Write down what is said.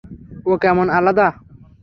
ও কেমন আলাদা!